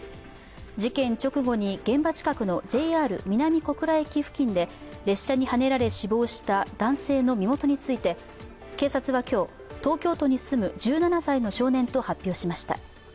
事件直後に現場近くのＪＲ南小倉駅付近で列車にはねられ死亡した男性の身元について警察は今日、東京都に住む１７歳の少年と発表しました。